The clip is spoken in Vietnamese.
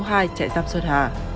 hai trại giam xuân hà